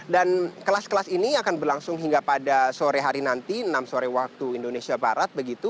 dan kelas kelas ini akan berlangsung hingga pada sore hari nanti enam sore waktu indonesia barat